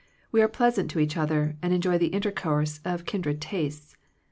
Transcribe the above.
We are pleasant to each other, and enjoy the in tercourse of kindred tastes.